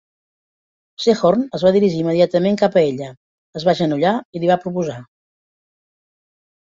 Sehorn es va dirigir immediatament cap a ella, es va agenollar i li va proposar.